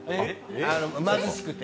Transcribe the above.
貧しくて。